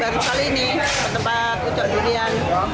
baru kali ini ke tempat ucok durian